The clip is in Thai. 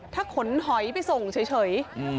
ถูกโกลงเลย